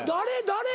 誰？